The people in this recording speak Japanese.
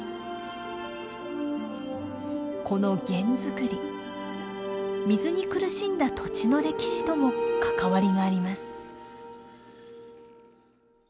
この弦作り水に苦しんだ土地の歴史とも関わりがあります。